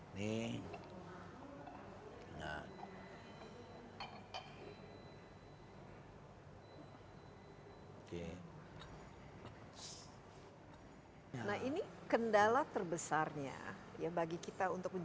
ini mbak desy ambil